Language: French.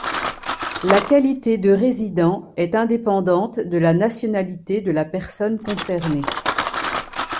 La qualité de résident est indépendante de la nationalité de la personne concernée.